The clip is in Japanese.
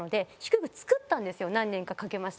何年かかけまして。